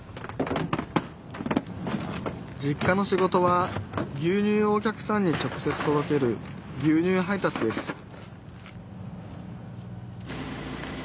実家の仕事は牛乳をお客さんに直接とどける牛乳配達です